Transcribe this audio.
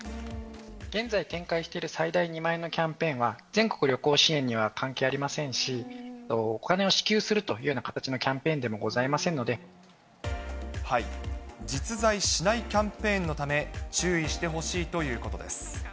現在、展開している最大２万円のキャンペーンは、全国旅行支援には関係ありませんし、お金を支給するというような形のキャンペーンでもございませんの実在しないキャンペーンのため、注意してほしいということです。